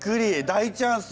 大チャンス。